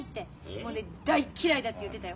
もうね大嫌いだって言ってたよ。